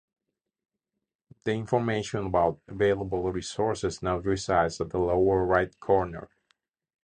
The information about available resources now resides at the lower right corner.